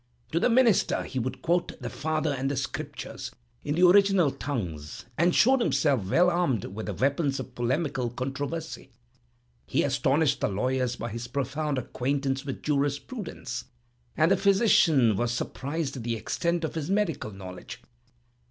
To the minister he would quote the Fathers and the Scriptures in the original tongues and showed himself well armed with the weapons of polemical controversy. He astonished the lawyer by his profound acquaintance with jurisprudence; and the physician was surprised at the extent of his medical knowledge.